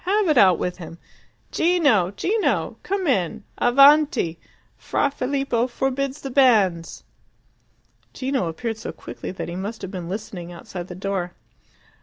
Have it out with him. Gino! Gino! Come in! Avanti! Fra Filippo forbids the banns!" Gino appeared so quickly that he must have been listening outside the door.